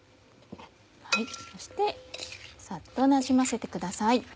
そしてさっとなじませてください。